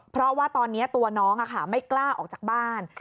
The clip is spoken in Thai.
เพราะว่าตอนนี้ตัวน้องไม่กล้าออกจากบ้าน